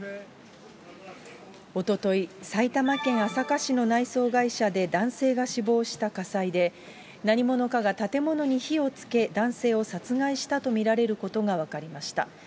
おととい、埼玉県朝霞市の内装会社で男性が死亡した火災で、何者かが建物に火をつけ、男性を殺害したと見られることが分かりました。